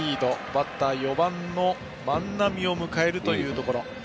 バッターは４番の万波を迎えるところ。